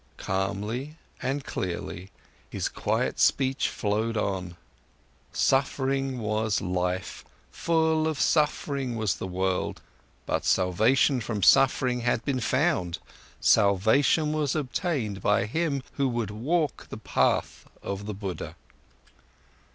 Calmly and clearly his quiet speech flowed on. Suffering was life, full of suffering was the world, but salvation from suffering had been found: salvation was obtained by him who would walk the path of the Buddha.